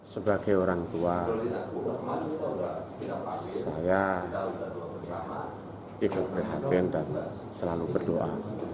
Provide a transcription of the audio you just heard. sebagai orang tua saya ikut prihatin dan selalu berdoa